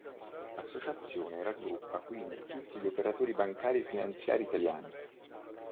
L'Associazione raggruppa quindi tutti gli operatori bancari e finanziari italiani.